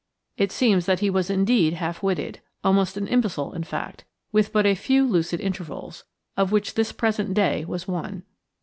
It seems that he was indeed half witted–almost an imbecile, in fact, with but a few lucid intervals, of which this present day was one.